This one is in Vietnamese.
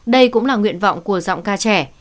đây cũng là nguyện vọng của giọng ca trẻ